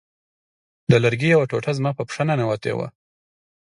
د لرګي یوه ټوټه زما په پښه ننوتې وه